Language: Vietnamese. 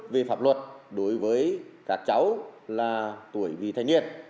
về pháp luật đối với các cháu là tuổi vị thanh niên